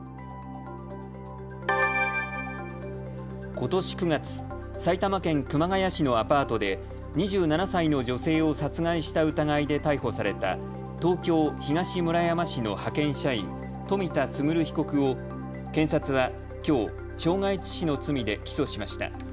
ことし９月、埼玉県熊谷市のアパートで２７歳の女性を殺害した疑いで逮捕された東京東村山市の派遣社員、冨田賢被告を検察はきょう傷害致死の罪で起訴しました。